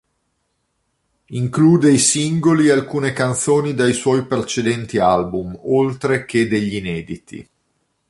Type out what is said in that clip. Include i singoli e alcune canzoni dai suoi precedenti album, oltre che degl'inediti.